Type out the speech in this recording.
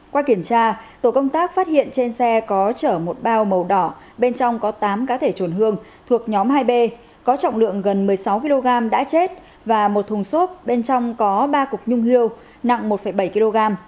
qua kiểm tra tổ công tác phát hiện trên xe có chở một bao màu đỏ bên trong có tám cá thể trồn hương thuộc nhóm hai b có trọng lượng gần một mươi sáu kg đã chết và một thùng xốp bên trong có ba cục nhung hưu nặng một bảy kg